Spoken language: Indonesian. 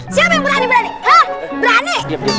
siapa yang berani berani